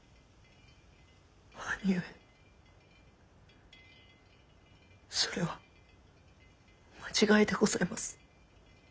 兄上それは間違いでございます。